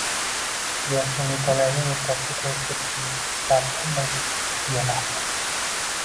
U boshini Nikolayning yelkasiga qoʻyib ketishni istar, ammo uyalardi